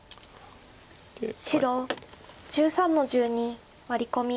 白１３の十二ワリコミ。